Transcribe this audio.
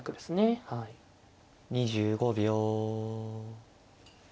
２５秒。